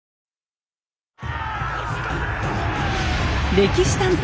「歴史探偵」